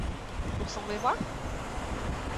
Pour son mémoire ?